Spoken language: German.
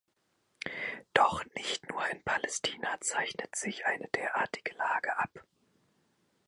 Doch nicht nur in Palästina zeichnet sich eine derartige Lage ab.